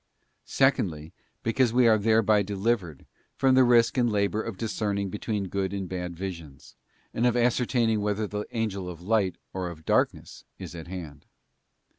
Secondly, because we are thereby delivered from the risk and labour of discerning between good and bad visions, and of ascertaining whether the angel of light or of darkness is at hand.